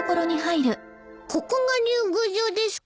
ここが竜宮城ですか？